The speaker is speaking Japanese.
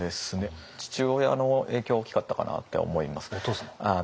父親の影響は大きかったかなって思います。